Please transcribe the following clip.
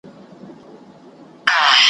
زما د پنځو ورځو پسرلي ته سترګي مه نیسه ,